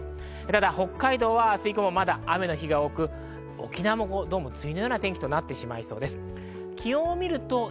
ただ北海道は明日以降も雨の日が多く、沖縄も梅雨のような天気になってしまいそうです。